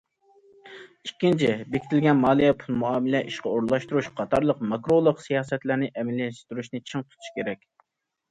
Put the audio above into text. ئىككىنچى، بېكىتىلگەن مالىيە، پۇل مۇئامىلە، ئىشقا ئورۇنلاشتۇرۇش قاتارلىق ماكرولۇق سىياسەتلەرنى ئەمەلىيلەشتۈرۈشنى چىڭ تۇتۇش كېرەك.